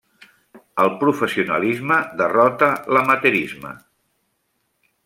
El professionalisme derrota l'amateurisme.